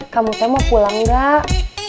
kamu mau pulang gak